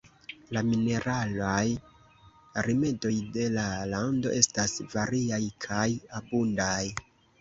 La mineralaj rimedoj de la lando estas variaj kaj abundaj.